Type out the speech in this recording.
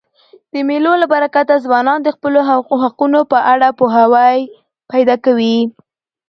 د مېلو له برکته ځوانان د خپلو حقونو په اړه پوهاوی پیدا کوي.